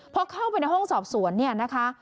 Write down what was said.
พอเข้าไปในห้องสอบสวนนะคะ